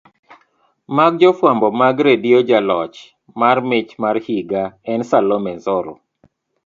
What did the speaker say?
mag jofwambo mag redio jaloch mar mich mar higa en Salome Dzoro